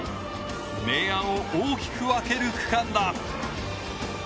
明暗を大きく分ける区間だ。